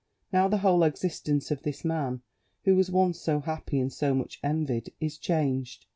Now the whole existence of this man, who was once so happy and so much envied, is changed.